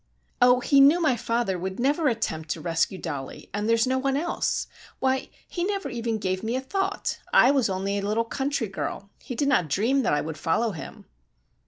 "Oh, he knew my father would never attempt to rescue Dollie, and there was no one else. Why, he never even gave me a thought! I was only a little country girl; he did not dream that I would follow him!"